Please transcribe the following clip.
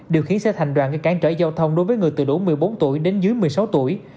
điều khiến xe thành đoạn cái cán trởi giao thông đối với người từ đủ một mươi bốn tuổi đến dưới một mươi sáu tuổi